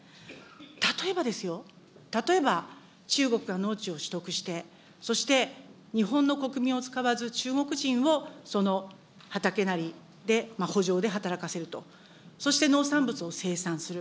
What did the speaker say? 例えばですよ、例えば中国が農地を取得して、そして日本の国民を使わず、中国人を畑なりで、ほじょうで働かせると、そして農産物を生産する。